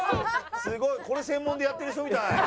すごい！これ専門でやってる人みたい。